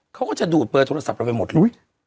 เขาก็จะดูดเบอร์โทรศัพท์เราไปหมดเลย